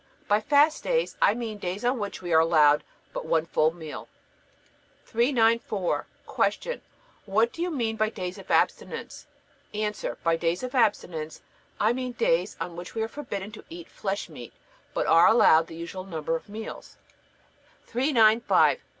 By fast days I mean days on which we are allowed but one full meal. 394. Q. What do you mean by days of abstinence? A. By days of abstinence I mean days on which we are forbidden to eat flesh meat, but are allowed the usual number of meals. 395. Q.